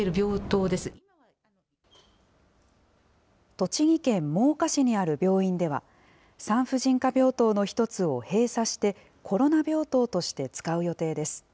栃木県真岡市にある病院では、産婦人科病棟の１つを閉鎖して、コロナ病棟として使う予定です。